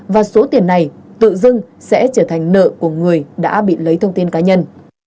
và số tiền này tự dưng sẽ trở thành nợ của người đã bị lấy thông tin cá nhân